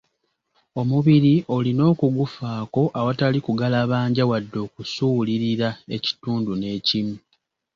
Omubiri olina okugufaako awatali kugalabanja wadde okusuulirira ekitundu n'ekimu.